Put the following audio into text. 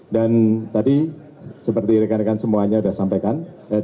tadi seperti rekan rekan semuanya sudah sampaikan